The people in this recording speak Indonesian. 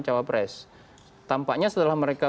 cawapres tampaknya setelah mereka